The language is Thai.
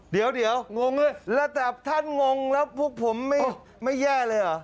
เดี๋ยวงงด้วยระดับท่านงงแล้วพวกผมไม่แย่เลยเหรอ